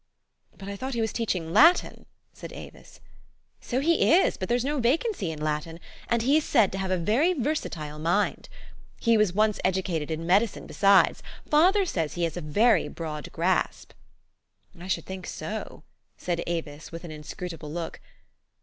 "But I thought he was teaching Latin," said Avis. " So he is ; but there's no vacancy in Latin, and he is said to have a very versatile mind. He was once educated in medicine, besides. Father says he has a very broad grasp." " I should think so," said Avis, with an inscruta ble look.